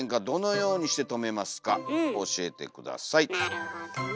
なるほどね。